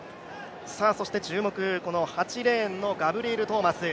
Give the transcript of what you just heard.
そして注目、８レーンのガブリエル・トーマス。